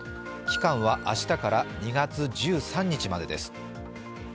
期間は明日から２月１３日までです。